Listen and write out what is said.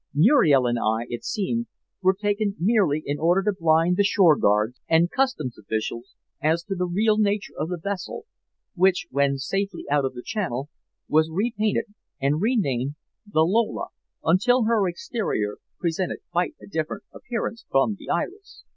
Muriel and I, it seems, were taken merely in order to blind the shore guards and Customs officials as to the real nature of the vessel, which when safely out of the Channel, was repainted and renamed the Lola, until her exterior presented quite a different appearance from the Iris.